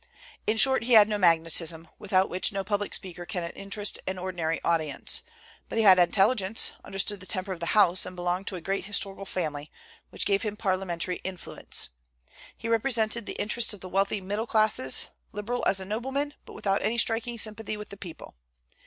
In short, he had no magnetism, without which no public speaker can interest an ordinary audience; but he had intelligence, understood the temper of the House, and belonged to a great historical family, which gave him parliamentary influence. He represented the interests of the wealthy middle classes, liberal as a nobleman, but without any striking sympathy with the people.